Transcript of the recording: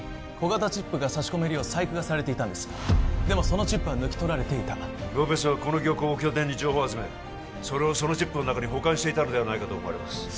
小型チップが差し込めるよう細工がされていたんですでもそのチップは抜き取られていたロペスはこの漁港を拠点に情報を集めそれをそのチップの中に保管していたのではないかと思われます